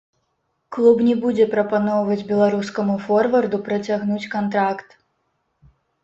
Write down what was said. Клуб не будзе прапаноўваць беларускаму форварду працягнуць кантракт.